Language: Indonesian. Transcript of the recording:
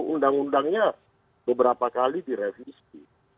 undang undangnya beberapa kali direvisi